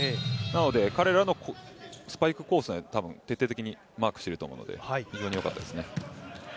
なので彼らのスパイク攻勢、徹底的にマークしていると思うので非常によかったですね。